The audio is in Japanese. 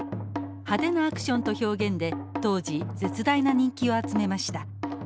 派手なアクションと表現で当時絶大な人気を集めました。